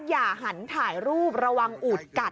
อย่าหันถ่ายรูประวังอูดกัด